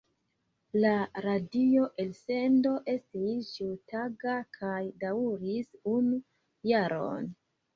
La radio-elsendo estis ĉiutaga kaj daŭris unu jaron.